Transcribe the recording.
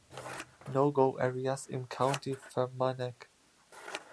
No-go-Areas im County Fermanagh.